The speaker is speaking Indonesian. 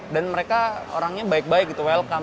dan mereka orangnya baik baik gitu welcome